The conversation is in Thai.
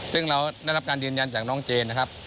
ซึ่งเราได้รับการยืนยันจากน้องเจนนะครับ